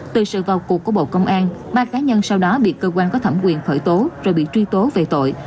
từ sự vào cuộc của bộ công an ba cá nhân sau đó bị cơ quan có thẩm quyền khởi tố rồi bị truy tố về tội